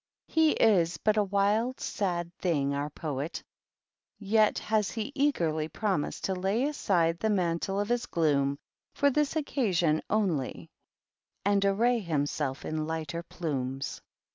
He is but a wild, sad thing, our Poet, j has he eagerly promised to lay aside the man1 of his gloom for this occasion only and arr himself in lighter plumes.